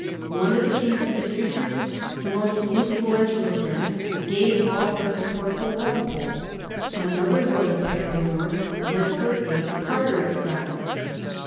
One of the King's mistresses — the most influential of them — ^gave all her support to Walpole ; another royal paramour lent her aid to Carteret's side.